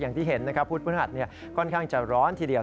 อย่างที่เห็นนะครับพุธพฤหัสค่อนข้างจะร้อนทีเดียว